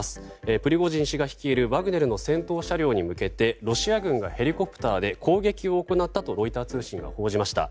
プリゴジン氏が率いるワグネルの戦闘車両に向けてロシア軍がヘリコプターで攻撃を行ったとロイター通信が報じました。